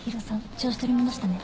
調子取り戻したね。